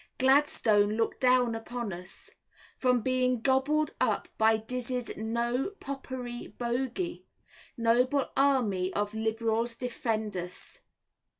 Gladstone, look down upon us. From being gobbled up by Dizzey's "No Popery" bogey, noble army of liberals defend us.